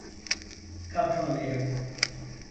Kalkmalıyım.